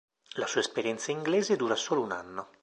La sua esperienza inglese dura solo un anno.